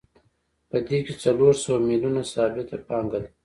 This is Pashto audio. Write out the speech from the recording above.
په دې کې څلور سوه میلیونه ثابته پانګه ده